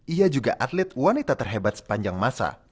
ia juga atlet wanita terhebat sepanjang masa